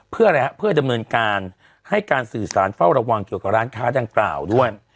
เพื่ออะไรฮะเพื่อดำเนินการให้การสื่อสารเฝ้าระวังเกี่ยวกับร้านค้าดังกล่าวด้วย